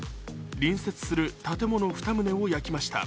隣接する建物２棟を焼きました。